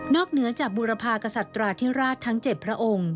เหนือจากบุรพากษัตราธิราชทั้ง๗พระองค์